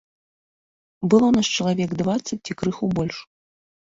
Было нас чалавек дваццаць ці крыху больш.